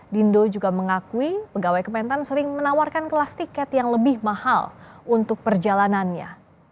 dindo juga mengakui pegawai kementan sering menawarkan kelas tiket yang lebih mahal untuk perjalanannya